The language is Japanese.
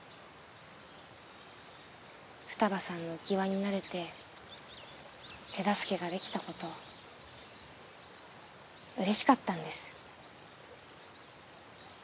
二葉さんのうきわになれて手助けができたことうれしかったんです。